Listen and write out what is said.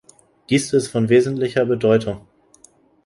Dies ist von wesentlicher Bedeutung.